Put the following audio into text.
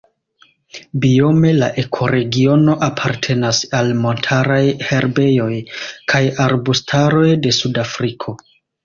Biome la ekoregiono apartenas al montaraj herbejoj kaj arbustaroj de Sud-Afriko.